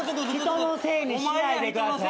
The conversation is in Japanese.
人のせいにしないでください。